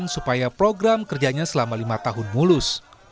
supaya program kerjanya selama lima tahun mulus